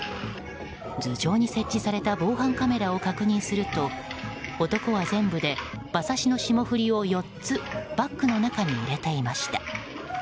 頭上に設置された防犯カメラを確認すると男は全部で馬刺しの霜降りを４つバッグの中に入れていました。